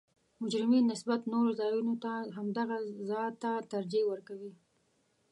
مجرمین نسبت نورو ځایونو ته همدغه ځا ته ترجیح ورکوي